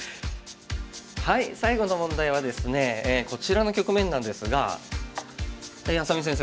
最後の問題はですねこちらの局面なんですが愛咲美先生